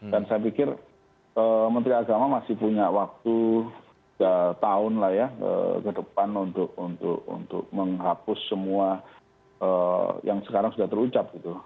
dan saya pikir menteri agama masih punya waktu tiga tahun lah ya ke depan untuk menghapus semua yang sekarang sudah terucap gitu